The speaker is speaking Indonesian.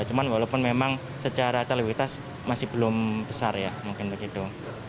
cuma walaupun memang secara televitas masih belum besar ya mungkin begitu